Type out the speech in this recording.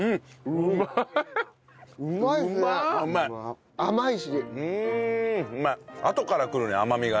うまい！